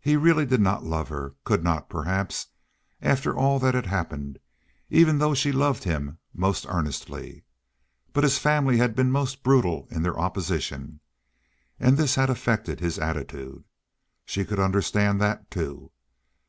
He really did not love her—could not perhaps, after all that had happened, even though she loved him most earnestly. But his family had been most brutal in their opposition, and this had affected his attitude. She could understand that, too.